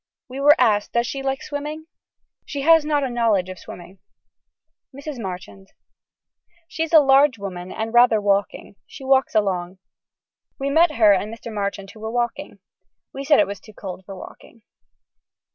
We were asked does she like swimming. She has not a knowledge of swimming. (Mrs Marchand.) She is a large woman and rather walking. She walks along. We met her and Mr. Marchand who were walking. We said it was too cold for walking.